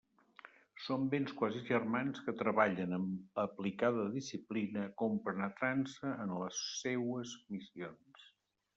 Són vents quasi germans que treballen amb aplicada disciplina compenetrant-se en les seues missions.